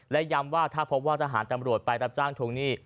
และย้ำว่าถ้าพบว่าทหารตำรวจไปรับจ้างทวงหนี้